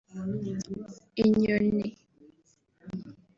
inyoni